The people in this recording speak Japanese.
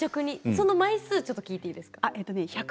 その枚数を聞いていいですか？